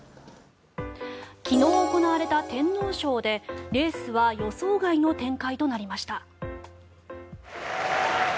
昨日行われた天皇賞でレースは予想外の展開となりました。